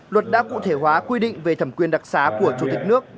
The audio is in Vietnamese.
luật đã cụ thể hóa quy định về thẩm quyền đặc xá của chủ tịch nước